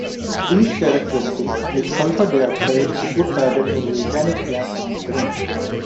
These characteristics make sulphur dioxide a good target for volcanic gas monitoring.